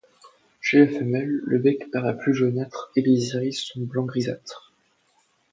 Chez la femelle, le bec paraît plus jaunâtre et les iris sont blanc grisâtre.